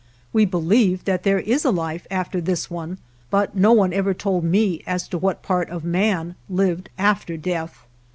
We believed that there is a life after this one, but no one ever told me as to what part of man lived after death.